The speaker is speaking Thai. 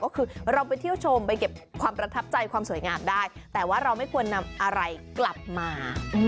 ก็คือเราไปเที่ยวชมไปเก็บความประทับใจความสวยงามได้แต่ว่าเราไม่ควรนำอะไรกลับมา